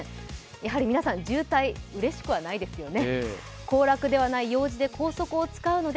やはり皆さん、渋滞うれしくはないですよね。